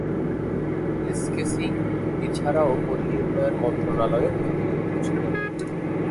S K Singh এছাড়াও পল্লী উন্নয়ন মন্ত্রণালয়ের প্রতিমন্ত্রী ছিলেন।